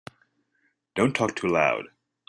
Don't talk too loud.